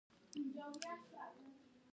پښتو پریږده چی تری تللی، له ایمان سره خرڅیږی